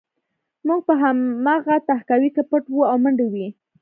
موږ په هماغه تهکوي کې پټ وو او منډې وې